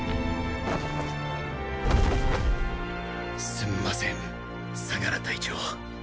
すんません相楽隊長